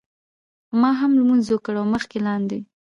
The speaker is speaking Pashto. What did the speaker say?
ما هم لمونځ وکړ او مخکې لاندې.